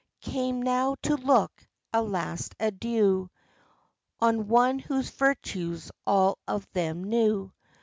93 Came now to look a last adieu On one whose virtues all of them knew.